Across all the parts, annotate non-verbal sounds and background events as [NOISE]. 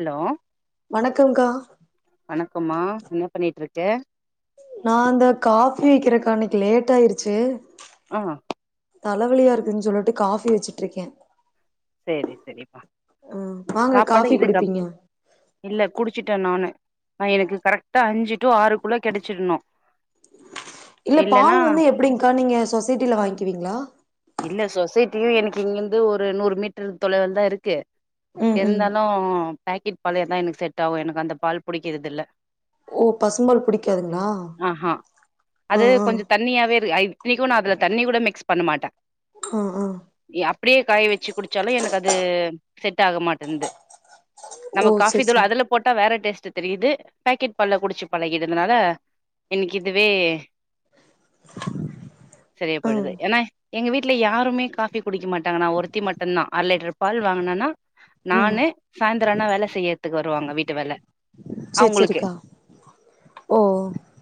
hello வணக்கம்க்கா வணக்கம்மா என்ன பண்ணிட்ருக்க நா அந்த காஃபி வக்கிறக்கு அன்னைக்கு லேட் ஆயிருச்சு ஆஹ் தலவலியா இருக்குன்னு சொல்லிட்டு காஃபி வச்சிட்ருக்கே செரி செரிப்பா வாங்க சாப்பாடு காஃபி இதுக்கு அப் குடிப்பீங்க இல்ல குடிச்சுட்டே நானு ஆஹ் எனக்கு கரெக்ட்டா அஞ்சு டு ஆறுக்குள்ள கெடச்சிறணு இல்ல பால் வந்து எப்டிங்க்கா நீங்க சொசைட்டில வாங்க்கிவீங்களா இல்ல சொசைட்டியு எனக்கு இங்கிருந்து ஒரு நூறு மீட் எட்ற தொலைவுலதா இருக்கு ம் ம் இருந்தாலு பேக்கெட் பாலேதா எனக்கு செட் ஆவு எனக்கு அந்த பால் புடிக்கிறது இல்ல ஓ பசும்பால் புடிக்காதுங்களா ஆஹா ஆஹ் ஆஹ் இன்னைக்கு நா அதுல தண்ணி கூட மிக்ஸ் பண்ண மாட்டே ஆ ஆ ஏ அப்டியே காய வச்சு கலை எனக்கு அது செட் ஆக மாட்டேன்து நம்ம ஓ காஃபி செரி தூள செரி அதுல போட்டா வேற டேஸ் தெ தெரியுது பேக்கெட் பால்ல குடிச்சு பழகிதுனால இன்னைக்கு இதுவே சரியாப்படுது ம் ஏன்னா எங்க வீட்ல யாருமே காஃபி குடிக்க மாட்டாங்க நான் ஒருத்தி மட் தன்னா அர லிட்ரு பால் வாங்குனனா ம் நானு சாயந்தரன்னா வேலை செய்யறத்துக்கு வர் தருவாங்க வீட்டு வேல செரி அவங்களுக்கு செரிக்கா ஓ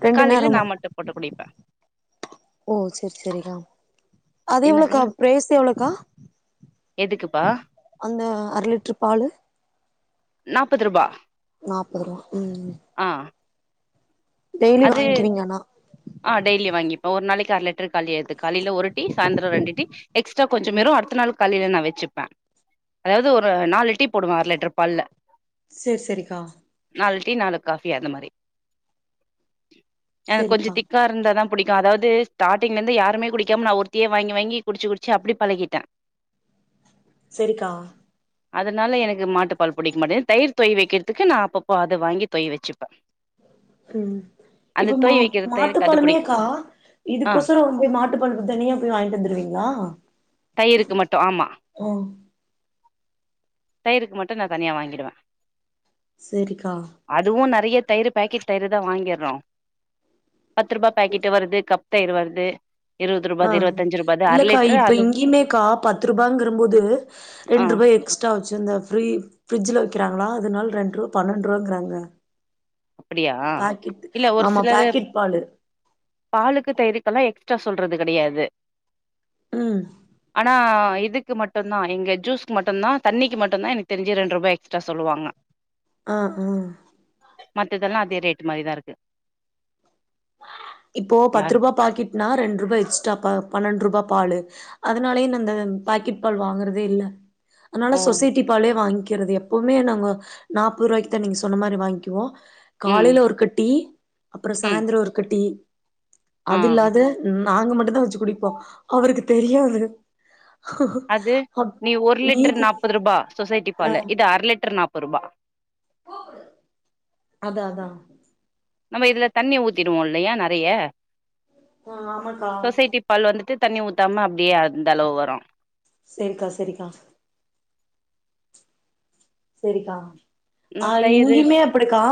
ரெண்டு காலையில நா நேரமு மட்டு போட்டு குடிப்பே ஓ செரி செரிக்கா அது என்ன எவ்ளோக்கா சொன்ன பிரைஸ் எவ்ளோக்கா எதுக்குப்பா அத் இந்த அர லிட்ரு பாலு நாப்பது ரூபா நாப்பது ரூபா ஆஹ் டெய்லி அது வாங்கிக்குவீங்க ஆனா ஆஹ் டெய்லி வாங்கிப்போ ஒரு நாளைக் ச்சு அர லிட்ரு காலி அது காலைல ஒரு டீ சாயந்திரோ ரெண்டு டீ எக்ஸ்ட்ரா கொஞ்சோ ம் வரு அடுத்த நாள் காலைல நா வச்சுப்பே அதாவது ஒரு நாலு டீ போடுவ அர லிட்டர் பால்ல செரி செரிக்கா நால் டீ நாலு காஃபி அது மாரி எனக்கு கொஞ்ச செரிக்கா திக்கா இருந்தாதா புடிக்கு அதாவது ஸ்டார்டிங்ல இருந்து யாருமே குடிக்காம நான் ஒருத்தியே வாங்கி -வாங்கி குடிச்சு- குடிச்சு அப்டி பழகிட்டே செரிக்கா அதனால எனக்கு மாட்டுப்பால் பிடிக்க மாட்டேது தயிர் தொய் வைக்கிறதுக்கு நான் அப்பப்போ அத வாங்கி தொயி வச்சுப்ப ஹும் இப்ப மா வைக்கிற தயிருக்கு அது புடிக்கு மாட்டுப்பாலுமேக்கா ஆ இதுக்கொசரம் போய் மாட்டுப்பாலு தனியா போய் வாங்கிட்டு வந்துருவீங்களா தயிருக்கு மட்டு ஆமா [UNINTELLIGIBLE] தயிருக்கு மட்டு நா தனியா வாங்கிடுவே செரிக்கா அதுவு நெறைய தயிரு பேக்கெட் தயிருதா வாங்கிர்றோ பத்து ரூபா பாக்கெட் வருது கப் தயிர் வருது இருவது ரூபாது ஆஹ் இருவத்தஞ்சு ரூபாது அர இல்லக்கா லிட்டரு இப்ப அது இங்கேயுமேக்கா பத்து ரூபாங்கறம்போது ஆ ரெண்டு ரூபா எக்ஸ்ட்ரா ச்சு இந்த ஃப்ரீ ஃப்ரிட்ஜுல வைக்கிறாங்களா அதனால ரெண்டு ரூபா பன்னெண்டு ரூபாங்கிறாங்க அப்பிடியா இல்ல ஒரு சிலரு பாக்கெட் பாலு பாலுக்கு தயிருக்கெல்லா எக்ஸ் [UNINTELLIGIBLE] சொல்றது கெடையாது ம் ஆனா இதுக்கு மட்டும்தா இங்க ஜூஸ்க்கு மட்டுந்தா தண்ணிக்கு மட்டு்ம்தா எனக்கு தெரிஞ்சு ரெண்டு ரூபா எக்ஸ்ட்ரா சொல்லுவாங்க ஆஹ் -ஆஹ் [INAUDIBLE] மத்ததெல்லா அதே ரேட்டு் மாரிதா இருக்கு இப்போ பத்து யார் ரூபா பாக்கெட்னா ரெண்டு ரூபா எக்ஸ்ட்ரா ப பன்னெண்டு ரூபா பாலு அதனாலயே நா இந்த பாக்கெட் பால் வாங்குறதே இல்ல அதனால ஓ சொசைட்டி பாலே வாங் கிறது எப்பமே நாங்க நாப்பது ரூபாய்க்குதா நீங்க சொன்ன மாரி வாங்க்கிவோ ம் காலைல ஒருக்கா டீ அப்புறோ ம் சாயந்தரோ ஒரு டீ ஆ அது இல்லாத உம் நாங்க மட்டுந்தா வச்சு குடிப்போ அவருக்கு தெரியாது அது அப் நீ ஒரு லிட்டர் மீதி நாப்பது ரூபா சோஸ் சைட்டி பாலு இது அர லிட்டர் நாப் ஒர்ரூபா கூப்புடு அதா -அதா நம்ம இதுல தண்ணி ஊத்திடுவோ இல்லையா நெறைய ஆஹ் ஆமாக்கா சொசைட்டி பால் வந்துட்டு தண்ணி ஊத்தாம அப்டியே அந்த அளவு வரும் செரிக்கா செரிக்கா செரிக்கா இன்னு ஆஹ் தயிரு இங்கியுமே அப்புடிக்கா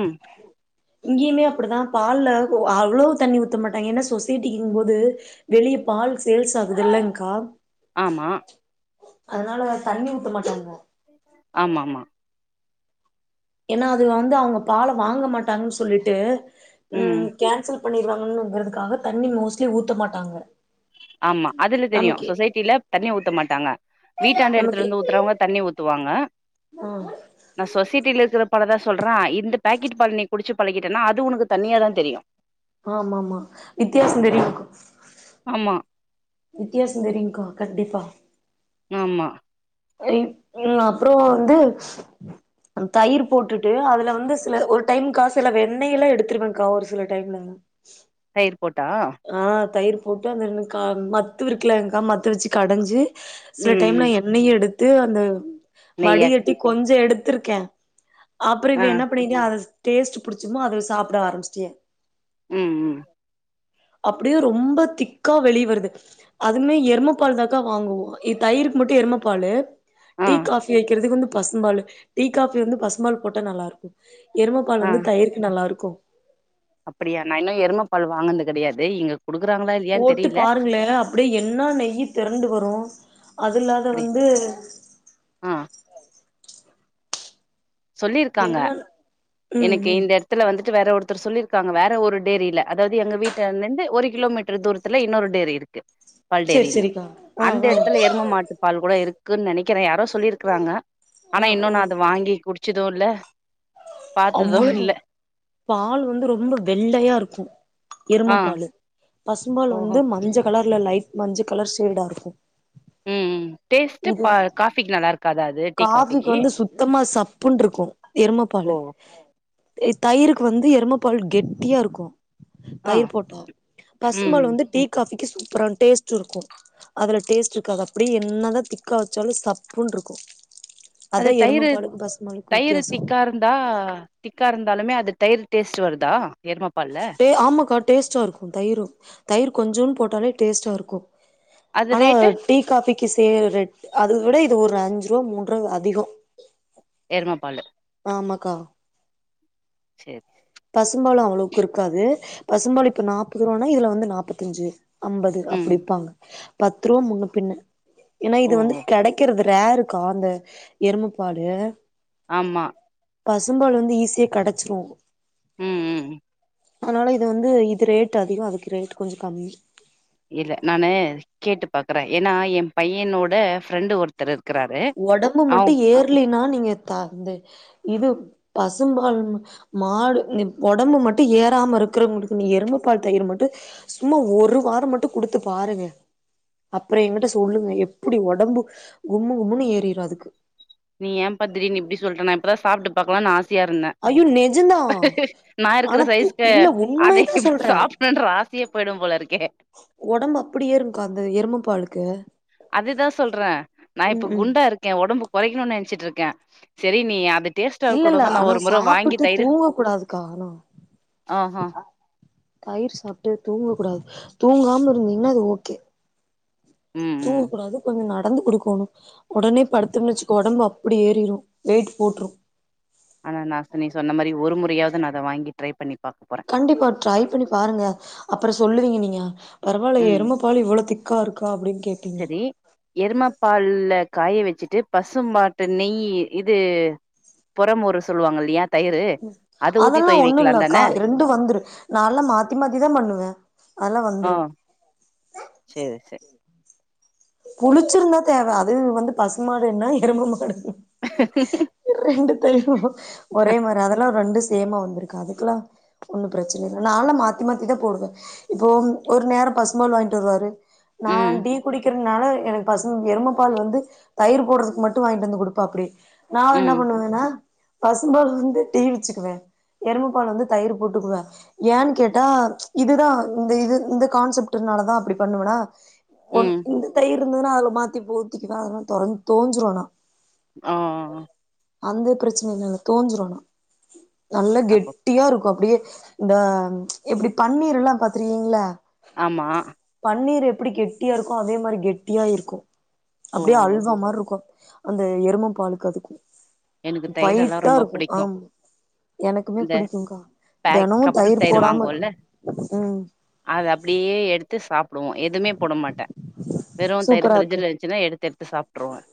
ம் இங்கேயுமே அப்படிதான் பால்ல அவ்வளவு தண்ணி ஊத்த மாட்டாங்க ஏன்னா சொசைட்டி போது வெளிய பால் சேல்ஸ் ஆகுது இல்லங்கா ஆமா அதனால தண்ணி ஊத்த மாட்டாங்க ஆமா ஆமா ஏன்னா அது வந்து அவங்க பாலை வாங்க மாட்டாங்கன்னு சொல்லிட்டு ம் உம் கேன்சப் பண்ணிருவாங்குங்கிறதுக்காக தண்ணி மோஸ்ட்லி ஊத்த மாட்டாங்க ஆமா அதுல தெரியும் நமக்கே சொசைட்டில தண்ணி ஊத்த மாட்டாங்க வீட்டாந்த இடத்துல நமக்கே இருந்து ஊத்துறவங்க தண்ணி ஊத்துவாங்க ஆ நான் சொசைட்டில இருக்கிற பழதான் சொல்றான் இந்த பேக்கெட் பால் நீ குடிச்சு பழகிட்டேன்னா அது உனக்கு தனியா தான் தெரியும் ஆமமாமாவித்தியாசம் தெரியும் ஆமா வித்தியாசம் தெரிய்கா கண்டிப்பா ஆஹமா உஹம் அப்புறம் வந்து தயிர் போட்டுட்டு அதுல வந்து சில ஒரு டைம்கா சில வெண்ணெய் எல்லாம் எடுத்துருவேங்க்கா ஒரு சில டைம்ல தயிர் போட்டா ஆஹ் தயிரு போட்டு அந்த ரெண்டு கா மத்து விறுங்கலங்கா மத்து வச்சு கடைஞ்சி சில ம் ம் டைம்ல என்ண்ணெயையும் எடுத் து அந்த நெய்யா வடிகட்டி கொஞ்ச எடுத் த்துருக்கே அப்புறம் ஆ இவே என்ன பண்ணிக அத டேஸ்ட் பிடிச்சுமோ அது சாப்பிட ஆரம்பிச்சேன் உஹும் ஹும் அப்புடியும் ரொம்ப திக்கா வெளி வருது அதுமே எருமப்பால் தாக்கா வாங்குவோம் இ தயிருக்கு மட்டும்எருமப்பாலு ஆ டீ காஃபி வைக்கிறதுக்கு வந்து பசும்பாலு டீ காபி வந்து பசும்பால் போட்டா நல்லா இருக்கும் எருமப்பால் ஆ வந்து தயிருக்கு நல்லா இரு ப்ப அப்படியா நான் இன்னும் எருமப்பால் வாங்கனது கிடையாது தே இங்க குடுக்குறாங்களா இல்லையான்னு போட்டு தெரியல பாருங்களே அப்படியே என்னா நெயி திரண்டு வரும் அதில்லாத அப்படி வந்து ஆ சொல்லிருக்காங்க என்ன ம் எனுக்கு ம் இந்த எடத்துல வந்து எனக்கு வேற ஒருத்தரு சொல்லியிருக்காங்க வேற ஒரு டேரியில அதாவது எங்க வீட்டாண்டயிருந்து ஒரு கிலோமீட்டரு தூரத்துல இன்னொரு டேரியிருக்கு சேரி பால்டேரின்னு சேரிக்கா ஆ அந்த ஆ எடத்துல எருமமாட்டு பால் கூடயிருக்கு க்கு நெனைக்குறே யாரோ சொல்லியிருக்குறாங்க ஆனா ஆ ஆ இன்னொன்னா அது வாங்கி குடிச்சு இதுவுல்ல அவ்ளோ பாத்ததும்யில்ல பால் வந்து ரொம்ப வெள்ளையாயிருக்கோ எரும ஆ பாலு பசும்பால் ஓஹோ வந்து மஞ்ச கலர் இல்ல லைட் மஞ்ச கலர் ஷேடாயிருக்கு உம் ம் டேஸ்ட்டு பா காபிக்கு நல்லாயிருக்காத அது டீ காபிக்கு காஃபிக்கு வந்து சுத்தமா சப்புன்ருக்கோ எரும ஓ பாலு [UNINTELLIGIBLE] தயிருக்கு வந்து எரும பால் கெட்டியாயிருக்கு ஆ தயிர் போட்டா ம் பசும்பால் வந்து டீ காபி கி சூப்பரான் டேஸ்ட்ருக்கு அதுல டேஸ்ட்ருக்காது அப்டியே என்னதா திக்கா வெச்சாலோ சப்புன்ருக்கு அது தயிரு -தயிரு வித்தியாசோ திக்காயிருந்தா- திக்காயிருந்தாலுமே அது தயிர் டேஸ்ட் வருதா எருமப்பால்ல டேஸ்ட்டாயிருக்கோ தயிரோ தயிர் கொஞ்சோன்டு போட்டாலே டேஸ்ட்டாயிருக்கோ அது ஆனா ரேட்டு டீ காபிக்கு செய்ற அத விட ஒரு அஞ்சுரூவா மூன்ரூவா அதிகோ எரும பால்ல ஆமாக்கா சேரி செரி பசும்பால்ல அவ்ளோக்குயிருக்காது பசும்பாலு இப்ப நாப்பது ரூவானா இதுல வந்து நாப்பத்தஞ்சு அம்பது அப்டி ம் விப்பாங்க பத்து ரூவா முன்ன பின்ன ஏன்னா ஓ இது வந்து ஓ கெடைக்கறதில்ல யாருக்கா அந்த எருமபாலு ஆமா பசும்பாலு வந்து ஈஸியா கெடச்சிரோ உம் உம் ம் அதனால இது வந்து இது ரேட் அதிகோ அதுக்கு ரேட் கொஞ்சோ கம்மி இல்ல நானு கேட்டுப் பாக்கறே ஏன்னா என் பையனோட ஃப்ரெண்டு ஒருத்தரு ஒடம்பு மட்டும் ஏர்லனா நீங்க த இது பசும்பால் மாடு ம் ஒடம்பு மட்டு ஏறாம இருக்கிறவங்களுக்கு நீ எருமப் பால் தயிர் மட்டு சும்மா ஒரு வாரோ மட்டு குடுத்து பாருங்க அப்றோ எங்கிட்ட சொல்லுங்க எப்டி ஒடம்பு கும்மு ம்முன்னு ஏறுரு அதுக்கு நீ ஏம்ப்பா திடீர்னு இப்டி சொல்ற நா இப்பதா சாப்ட்டு பாக்கலான்னு ஆஸ் ஐயோ நெஜந்தா நா இருக்கிற ஆனா து சைஸ்க்கு இல்ல அதை உண்மையதா சொல்றே சாப்டணுன்ற ஆசையே போயிடும் போல இருக்கே ஒடம்பு அப்டி ஏறுங்க்கா அந்த எருமப்பாலுக்கு அதுதா சொல்றே நா இப்ப குண்டா இருக்கே ஒடம்பு கொறைக்கணுனு நென் வச்சிட்ருக்கே சரி நீ அது டேஸ்ட்டா இல்ல இல்ல இருக்கட்டுந்தா நா ஆனா ஒரு முற வாங்கி சாப்பிட்டு தயிரு தூங்கக் கூடாதுக்கா ஆ ஆனா ஆஹா தயிர் சாப்ட்டு தூங்கக் கூடாது தூங்காம இருந்தீங்கன்னா அது ஓகே ம் ம் தூங்கக்கூடாது கொஞ்சம் நட ந்து குடிக்கோனு உடனே படுத்தனு வச்சுக்கோ ஒடம்பு அப்டி ஏறிரு வெயிட் போட்ரு ஆனா நா சொ நீ சொன்ன மாரி ஒரு முறையாவது நா அத வாங்கி ட்ரை பண்ணி பாக்க போறே கண்டிப்பா ட்ரை பண்ணி பாருங்க அப்புறோ சொல்லுவீங்க நீங்க பரவால்லயே ம் எரும பாலு இவ்வளவு திக் க்காருக் க்கா அப்டின்னு கேப்பீங்க சரி எருமப்பால்ல காய வச்சுட்டு பசும்மாட்டு நெய்யி இது புறமொரு சொல்வாங்க இல்லையா தயிரு ம் அத ஊத்தி அதல்லா தொய் ஒண்ணும் வைக்கலா இல்லக்கா தானே ரெண்டும் வந்துரு நா எல்லா மாத்தி மாத்திதா பண்ணுவே அதெல்லா ஆ வந்துரு சரி சரி புளிச்சிருந்தா தேவ அது வந்து பசு மாடு என்ன எரும மாடு [INAUDIBLE] [UNINTELLIGIBLE] ஒரே மாரி அதெல்லா ரெண்டு ஸ் சேமா வந்திருக்கு அதுக்கெல்லா ஒன்னும் பிரச்சன இல்ல நான்ல்லா மாத்தி மாத்திதா போடுவே இப்போ ஒரு நேரோ பசும்பால் வாங்கிட்டு வருவாரு ம் நான் டீ குடிக் க்கறனால எனக்கு பசு எருமப்பால் வந்து தயிர் போடுறதுக்கு மட்டு வாங்கிட்டு வந்து குடுப்பாப்டி நா என்ன ம் பண்ணுவேன்னா பசும்பால் வந்து டீ வச்சுக்குவே எரும பால் வந்து தயிர் போட்டுக்குவே ஏன்னு கேட்டா இதுதா இந்த இது இந்த கான்செப்ட்டுனாலதா அப்டி பண்ணுவனா ஒன் உம் இந்த தயிரு இருந்ததுன்னா அதுல மாத்தி ஊத்திக்குவே அதனால தொரஞ் தோஞ்சிரு ஆனா ஆ ஆ ஆ அந்த பிரச்சன இல்ல தோஞ்சிரு ஆனா நல்லா அப்போ கெட்டியா இருக்கு அப்டியே இந்த எப்டி பன்னீர் எல்லாம் பாத்திருக்கீங்களா ஆமா பன்னீர் எப்டி கெட்டியா இருக்கும் கும் அதே மாரி கெட்டியா இருக்கும் ஓ அப்டியே அல்வா மாரி இருக்கும் அந்த எரும பாலுக்கு அதுக்கும் எனக்கு தயிரெல்லா பயிட்டா ரொம்ப இருக்கும் புடிக்கு ஆம் எனக்குமே இந்த பிடிக்கும் கா பேக் தினமும் கப்பு தயிர் போடாம வாங்குவோல்ல இருக்க உம் டும் எதுவுமே போட மாட்டேன் வெறும் தயிர் சூப்பரா இருக்கு பிர்ஜல இருந்துச்சுன எடுத்து-எடுத்து சாப்ட்டுருவன்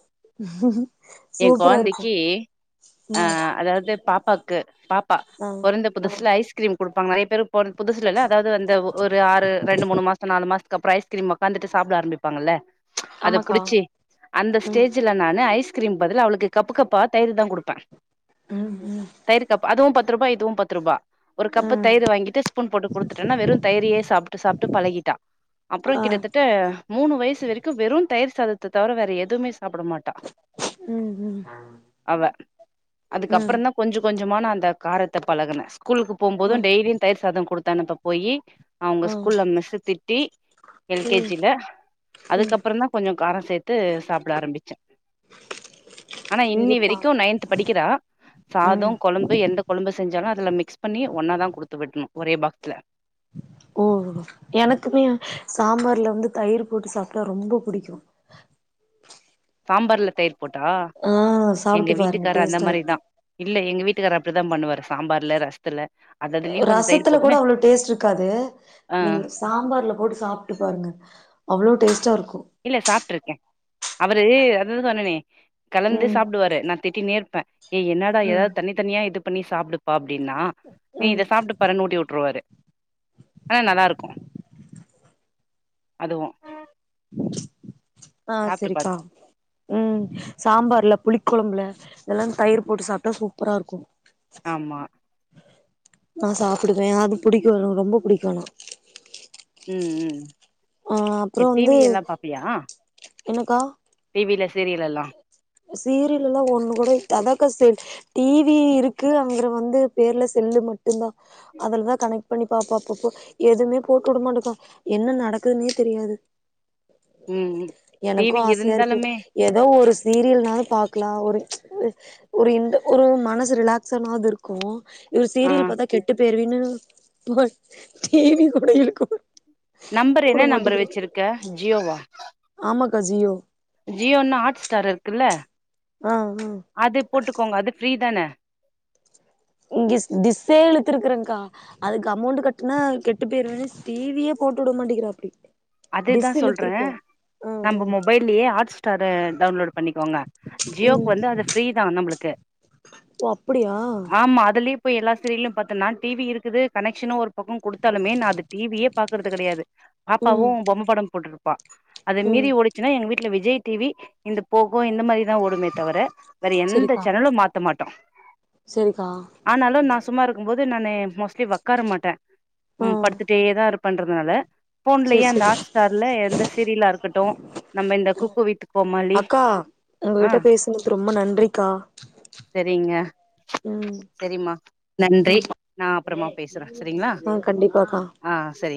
என் சூப்பரா இருக்கு குழந்தைக்கு கி ஹா அதாவது பாப்பாக்கு பாப் பா ஆ பொறந்த ஆ புதுசல ஐஸ்கிரீம் குடுப்பாங்க நறைய பேரு புதுசல இல்ல அதாவது வந்த ஒரு ஆறு ரெண்டு மூணு மாசம் நாலு மாசத்துக்கு அப்புறம் ஐஸ்கிரீம் உக்காந்துட்டு சாப்பிட ஆரம்பிப்பாங்கல்ல அத ஆமாக்கா புடிச்சி அந்த ம் ஸ்டேஜ்ல நானு ஐஸ் கிரீம்க்கு பதில் அவுளுக்கு கப்பு கப் ப்பா தயிர் தான் குடுப்பேன் ம் ம் தயிர்கப்பு அதுவும் ப பத்து ரூபாய் இதுவும் பத்து ரூபா ஒரு கப்பு ம் தயிர் வாங்கிட்டு ஸ்பூன் போட்டு குடுத்துட்டேன்னா வெறும் தயிரே சாப்ட்டு சாப்ட்டு பழகிட்டா அப்புறம் ஆ கிட்டத்தட்ட மூணு வயசு வரைக்கும் வெறும் தயிர் சாதத தவர வேற எதுமே சாப்டமாட்டா ம் ம் அவ ம் அதுக்கப்புறம் தான் கொஞ்ச கொஞ்ச கொஞ்சமா ந அந்த காரத்தை பழகனேன் கூலுக்கு ஆ போம்போதும் டெய்லியும் தயிர் சாதம் குடுத் தனப்ப போயி அவுங்க ஆ ஸ்கூல் மிஸ்ஸு திட்டி ம் எல்கேஜில ம் அதுக்கப்புறம் தான் கொஞ்சம் காரம் சேர்த்து சாப்பிட ஆரம்பிச்சேன் இன்னி இங்கப்பா வரிக்கும் நையன்த் படிக்கிற ம் சாதம் கொலம்பு எந்த கொலம்பு செஞ்சாலும் அல மிக்ஸ் பண்ணி ஒன்னா தான் குடுத்து விடணும் ஒரே பாக்ஸ்ல ஓ எனக்குமே சாம்பார்ல வந்து தயிர் போட்டு சாப்ட்டா ரொம்ப புடிக்கும் சாம்பார்ல தயிர் போட்டா எங்க சாப்ட்டு பாருங்க வீட்டுக்காரு அந்த டேஸ்ட்டா மாரி இருக்கு தான் இல்ல எங்க வீட் ட்டுக்காரு அப்டிதான் பண்ணுவாரு சாம்பார்ல ரசத்துல அது அதுலயு கொஞ்ச தயிர் ரசத்துல கூட போட்னு அவ்ளோ டேஸ்ட்ருக்காது ஆ நீங்க சாம்பார்ல போட்டு சாப்ட்டு பாருங்க அவ்வளோ டேஸ்டா இருக்கும் இல்ல சாப்ட்ருக்கேன் அவரு அதுதா சொன்னனே கலந்து ம் சாப்டுவாரு நா திட்டினேருப்பேன் ஏ என்னடா ம் ஏதாவது தனி தனியா இது பண்ணி சாப்டு ப்பா அப்டின்னா நீ ம் இதை சாப்பிட்டு பாருனு ஊட்டி வுட்ருவாரு ஆனா நல்லா இருக்கும் அதுவு [INAUDIBLE] ஆஹ் சாப்ட்டு சரிக்கா பாத்து உம் சாம்பார்ல புளிக்குழம்புல இதெல்லாம் தயிர் போட்டு சாப்ட்டா சூப்பரா இருக்கும் ஆமா நான் சாப்டுவே அது புடிக்கும் எனக்கு ரொம்ப புடிக்கும் ஆனா ம் ம் அஹ் அப்புறம் டி வந்து வி என்னக்கா டிவில சீரியல் எல்லா சீரியல் எல்லாம் ஒண்ணு கூட அதக்கா டிவி இருக்கு அங்கற வந்து பேர்ல செல்லு மட்டும்தான் அதுலதான் கனெக்ட் பண்ணி பாப்பா அப்பப்போ எதுவுமே போட்டு விட மாட்டேக்கா என்ன நடக்குதுன்னே தெரியாது ம் ம் டி வி எனக்கும் ஆசையா இருக்கு இருந்தாலுமே ஏதோ ஒரு சீரியல்னாது பாக்கலா ஒரு ஒரு ஒரு இந்த ஒரு மனசு ரிலாக்ஸானாது இருக்கும் இவரு ஆ சீரியல் பாத்தா கெட்டுபோயிருவின்னு [UNINTELLIGIBLE] டிவி கூட இருக்கு நம்பர் என்ன நம்பர் வச்சிருக்க ஜியோவா ஆமாக்கா ஜியோ ஜியோன்ன ஹாட் ஸ்டார் இருக்குல்ல ஆ ஆ அது போட்டுக்கோங்க அது ஃப்ரீதான இங்க திசே இழுத்துருக்கறேகா அதுக்கு அமௌண்ட் கட்னா கெட்டு போயிருவேன்னு டிவியே போட்டு விட மாட்டேங்கிற அப்டி அதுதான் சொல்றேன் ஆ நம்ம மொபைல்லயே ஹாட் ஸ்டார டவுன்லோடு பண்ணிக்கோங்க ம் ஜியோக்கு வந்து அது பிரீ தான் நம்ளுக்கு ஓ அப்படியா ஆமா அதுலயே இப்ப எல்லா சீரியலும் பாத்தனா டிவி இருக்குது கனெக்ஷன் ஒரு பக்கம் குடுத்தாலுமே நான் அது டிவியே பாக்கறது கிடையாது ம் பாவும் பொம்ம படம் போட்ரு ப அத ம் மீறி ஓடுச்சுன்னா எங்க வீட்ல விஜய் டிவி இந்த போகோ இந்த மாரிதா ஓடுமே தவிர வேற எந்த சரிக்கா சேனலும் மாத்த மாட்டோம் சரிக்கா ஆனாலும் நான் சும்மா இருக்கும்போது இது நானு மோஸ்ட்லி ஒக்கார மாட்டே ஆ உம் படுத்துட்டேதா இருப் பண்றனால சரி ஃபோன்லயே அந்த சரி ஹாட் ஸ்டார்ல எந்த சீரியலா இருக்கட்டும் நம்ம இந்த குக்கு வித் கோமாளி அக்கா ஆ உங்ககிட்ட பேசுனது ரொம்ப நன்றிக்கா சரிங்க ம் சரிம்மா நன்றி ம் நான் அப்புறமா பேசுறேன் சரிங்களா ஆ கண்டிப்பாக்கா ஆ சரி